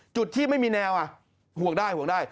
จุดที่ไม่มีแนวห่วงได้ห่วงได้